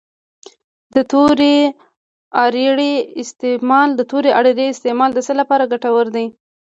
د تورې اریړې استعمال د څه لپاره ګټور دی؟